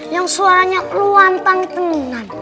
yang suaranya luantang tengan